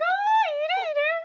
いるいる！